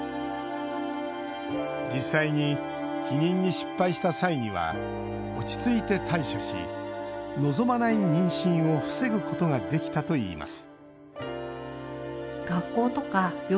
実際に、避妊に失敗した際には落ち着いて対処し望まない妊娠を防ぐことができたといいます